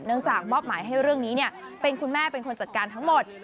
จากมอบหมายให้เรื่องนี้เป็นคุณแม่เป็นคนจัดการทั้งหมด